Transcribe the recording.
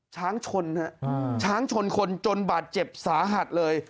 ชนฮะช้างชนคนจนบาดเจ็บสาหัสเลย